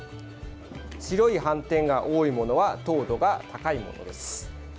白い斑点が多いものは糖度が高いものです。